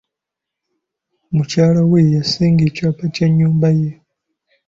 Mukyala we yasinga ekyapa ky'ennyumba ye.